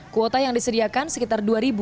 kuota yang disediakan sekitar dua